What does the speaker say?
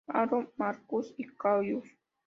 Aro, Marcus y Caius.